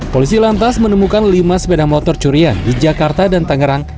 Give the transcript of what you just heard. polisi lantas menemukan lima sepeda motor curian di jakarta dan tangerang